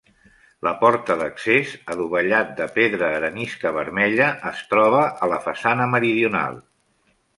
La porta d'accés, adovellat de pedra arenisca vermella, es troba a la façana meridional.